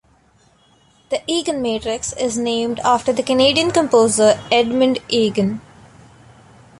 The EaganMatrix is named after the Canadian composer Edmund Eagan.